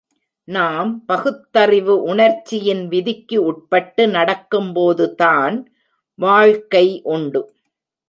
நாம் பகுத்தறிவு உணர்ச்சியின் விதிக்கு உட்பட்டு நடக்கும் போதுதான் வாழ்க்கை உண்டு.